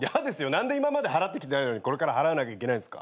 何で今まで払ってきてないのにこれから払わなきゃいけないんすか。